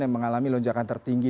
yang mengalami lonjakan tertinggi